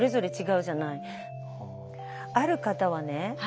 ある方はね